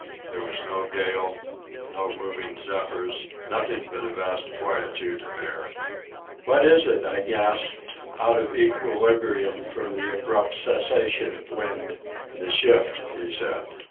There was no gale, no moving zephyrs, nothing but a vast quietude of air. "What is it?" I gasped, out of equilibrium from the abrupt cessation of wind. "The shift," he said.